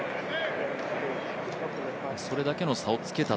それだけの差をつけた？